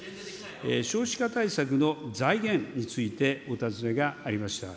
少子化対策の財源についてお尋ねがありました。